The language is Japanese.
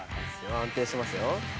安定してますよ。